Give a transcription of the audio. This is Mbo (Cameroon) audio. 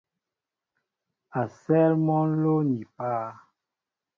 A sέέl mɔ nló ni páá.